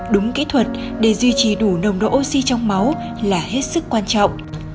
đúng kỹ thuật để duy trì đủ nồng độ oxy trong máu là hết sức quan trọng